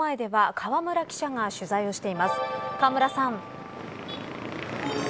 河村さん。